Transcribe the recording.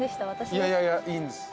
いやいやいいんです。